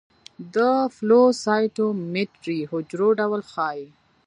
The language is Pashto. د فلو سايټومېټري حجرو ډول ښيي.